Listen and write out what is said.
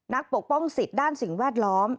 ปกป้องสิทธิ์ด้านสิ่งแวดล้อม